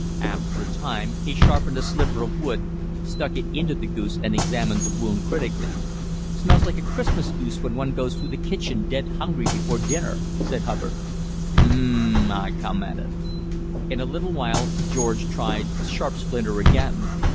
After a time he sharpened a sliver of wood, stuck it into the goose and examined the wound critically. "Smells like a Christmas goose when one goes through the kitchen dead hungry before dinner," said Hubbard. "Um m n!" I commented. In a little while George tried the sharp splinter again.